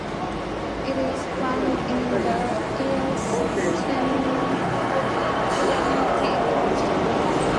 It is found in the eastern Atlantic Ocean.